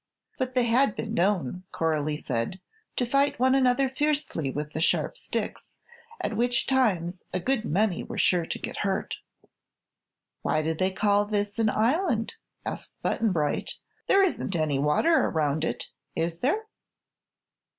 But they had been known, Coralie said, to fight one another fiercely with the sharp sticks, at which times a good many were sure to get hurt. "Why do they call this an Island?" asked Button Bright. "There isn't any water around it, is there?"